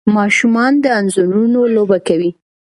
ماشومان د انځورونو لوبه کوي.